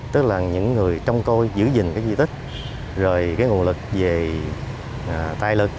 tức là những người trong côi giữ gìn cái di tích rồi cái nguồn lực về tài lực